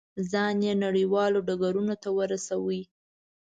ځان یې نړیوالو ډګرونو ته ورساوه.